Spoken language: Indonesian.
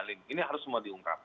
itu harus semua diungkap